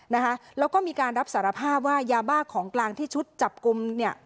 นะคะแล้วก็มีการรับสารภาพว่ายาบ้าของกลางที่ชุดจับกลุ่มเนี่ย